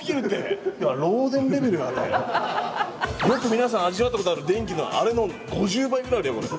よく皆さん味わったことある電気のあれの５０倍ぐらいあるよ。